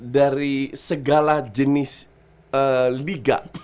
dari segala jenis liga